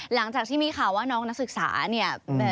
หลังจากที่มีข่าวว่าน้องนักศึกษาเนี่ย